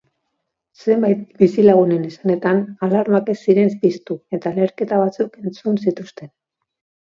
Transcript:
Zenbait bizilagunen esanetan, alarmak ez ziren piztu eta leherketa batzuk entzun zituzten.